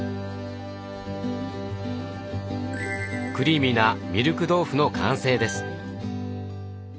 クリーミーなミルク豆腐の完成です。